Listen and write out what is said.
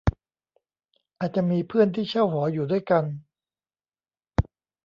อาจจะมีเพื่อนที่เช่าหออยู่ด้วยกัน